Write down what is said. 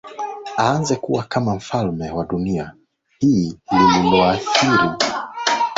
aanze kuwa kama mfalme wa dunia hii lililoathiri sana majukumu yake